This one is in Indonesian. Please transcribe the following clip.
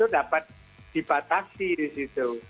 dapat dibatasi di situ